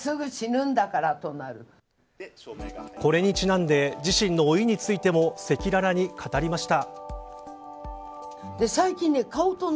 これにちなんで自身の老いについても赤裸々に語りました。